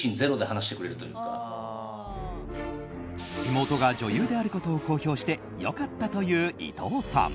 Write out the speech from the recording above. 妹が女優であることを公表して良かったという伊藤さん。